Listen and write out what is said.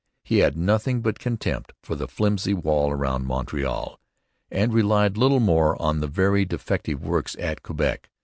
He had nothing but contempt for 'the flimsy wall round Montreal,' and relied little more on the very defective works at Quebec.